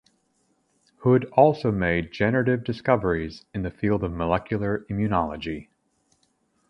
Hood also made generative discoveries in the field of molecular immunology.